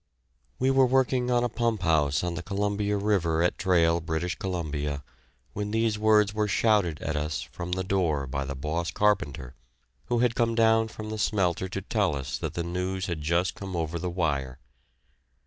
We were working on a pumphouse, on the Columbia River, at Trail, British Columbia, when these words were shouted at us from the door by the boss carpenter, who had come down from the smelter to tell us that the news had just come over the wire.